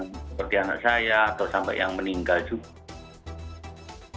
seperti anak saya atau sampai yang meninggal juga